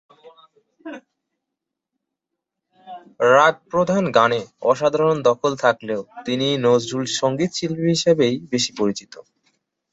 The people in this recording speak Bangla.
রাগ প্রধান গানে অসাধারণ দখল থাকলেও তিনি নজরুল-সঙ্গীতশিল্পী হিসেবেই বেশি পরিচিত।